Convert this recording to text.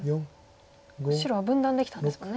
白は分断できたんですもんね。